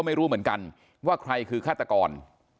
ไม่รู้เหมือนกันว่าใครคือฆาตกร